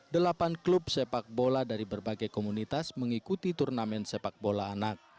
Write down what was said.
delapan klub sepak bola dari berbagai komunitas mengikuti turnamen sepak bola anak